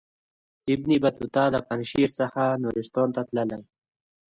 ابن بطوطه له پنجشیر څخه نورستان ته تللی.